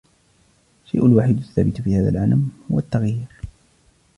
الشيء الوحيد الثابت في هذا العالم هو التغيير.